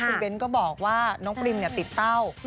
คุณเบ้นก็บอกว่าน้องปริมติดเต้า